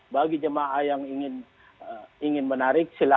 bagi jemaah yang ingin menarik